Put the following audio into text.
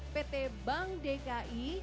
pt bank dki